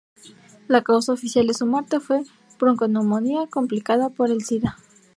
La causa oficial de su muerte fue bronconeumonía complicada por el sida.